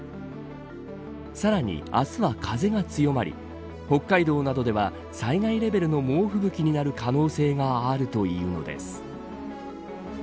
さらに明日は風が強まり北海道などでは、災害レベルの猛吹雪になる可能性があるというのです。